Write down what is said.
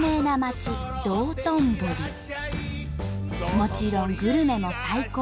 もちろんグルメも最高。